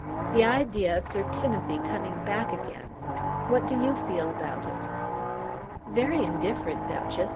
The idea of Sir Timothy coming back again! What do you feel about it?" "Very indifferent, Duchess.